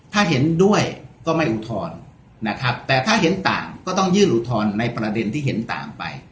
ถ้าเห็นด้วยก็ไม่อุทธรณ์นะครับแต่ถ้าเห็นต่างก็ต้องยื่นอุทธรณ์ในประเด็นที่เห็นต่างไป